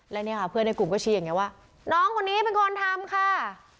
และเนี่ยค่ะเพื่อนในกลุ่มก็ชี้อย่างนี้ว่าน้องคนนี้เป็นคนทำค่ะ